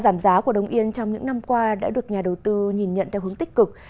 giảm giá của đồng yên trong những năm qua đã được nhà đầu tư nhìn nhận theo hướng tích cực